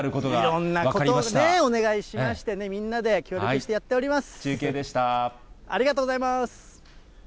いろんなことをお願いしましてね、みんなで協力してやっております。